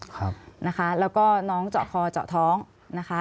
ครับนะคะแล้วก็น้องเจาะคอเจาะท้องนะคะ